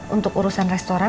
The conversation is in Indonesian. untuk urusan restoran